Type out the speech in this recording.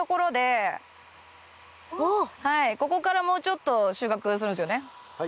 ここからもうちょっと収穫するんすよね？